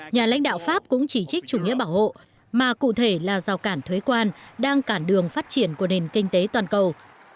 nhà lãnh đạo pháp cũng chỉ trích chủ nghĩa bảo hộ mà cụ thể là rào cản thuế quan đang cản đường phát triển của nền kinh tế toàn cầu